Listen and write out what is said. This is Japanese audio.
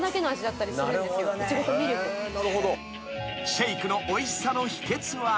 ［シェイクのおいしさの秘訣は］